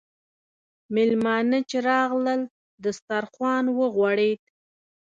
میلمانه چې راغلل، دسترخوان وغوړېد.